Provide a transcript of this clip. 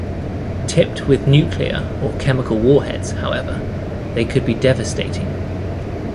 Tipped with nuclear or chemical warheads, however, they could be devastating.